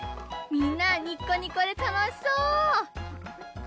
みんなにっこにこでたのしそう！